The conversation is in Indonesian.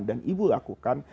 dan ibu lakukan